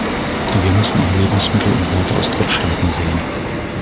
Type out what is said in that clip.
Wir müssen auch Lebensmittelimporte aus Drittstaaten sehen.